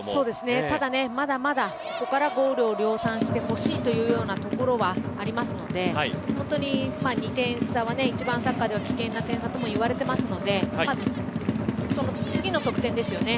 ただ、まだまだここはここからゴールを量産してほしいというところはありますので本当に２点差は一番、サッカーでは危険な点差ともいわれていますのでまず、その次の得点ですよね。